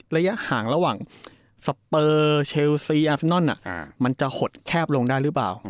ระยะห่างระหว่างอาฟแนลมันจะหดแคบลงได้หรือเปล่า